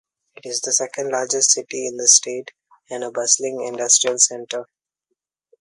It is the second largest city in the state and a bustling industrial center.